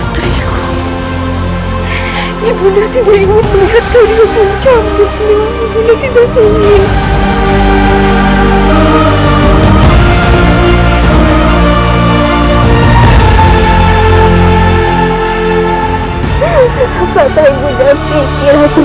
tidak ibu nang jangan kembali